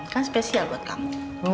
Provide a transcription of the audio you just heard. kan spesial buat kamu